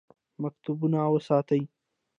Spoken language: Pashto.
مکتبونه وساتئ